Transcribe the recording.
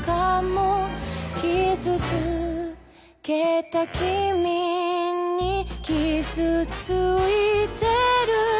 「傷つけたキミに傷ついてる」